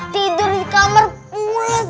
tidur di kamar puas